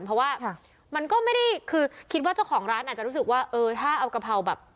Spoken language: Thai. เพราะว่ามันก็ไม่ได้คือคิดว่าเจ้าของร้านอาจจะรู้สึกว่าเออถ้าเอากะเพราแบบ